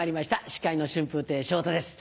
司会の春風亭昇太です。